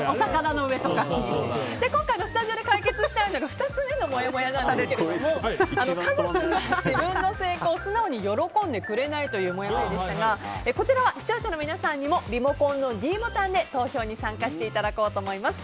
今回、スタジオで解決したいのが２つ目のもやもやなんですけども家族が自分の成功を素直に喜んでくれないというもやもやでしたがこちらは視聴者の皆さんにもリモコンのｄボタンで投票に参加していただこうと思います。